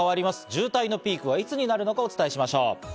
渋滞のピークはいつになるのかお伝えしましょう。